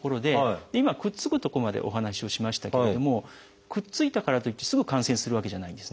今くっつくとこまでお話をしましたけれどもくっついたからといってすぐ感染するわけじゃないんですね。